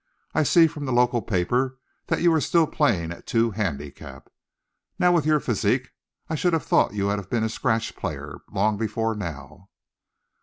I see from the local paper that you are still playing at two handicap. Now with your physique, I should have thought you would have been a scratch player long before now."